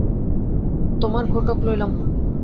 তোমার ঘোটক লইলাম।